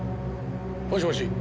もしもし。